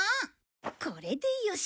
これでよし。